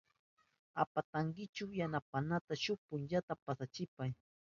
¿Atipawankichu yanapawanata shuk punchata pasachishpa?